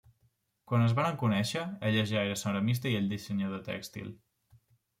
Quan es varen conèixer, ella ja era ceramista i ell dissenyador tèxtil.